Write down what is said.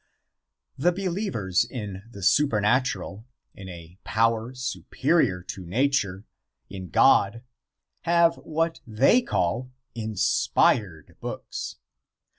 VII. The believers in the supernatural, in a power superior to nature, in God, have what they call "inspired books."